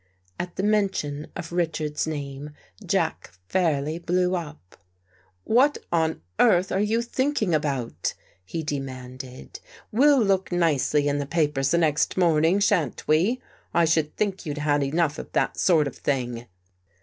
At the mention of Richards's name. Jack fairly blew up. "What on earth are you thinking about?" he demanded. " We'll look nicely in the papers the next morning, shan't we? I should think you'd had enough of that sort of thing."